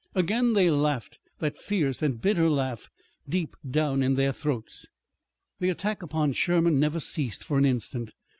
Again they laughed that fierce and bitter laugh deep down in their throats. The attack upon Sherman never ceased for an instant.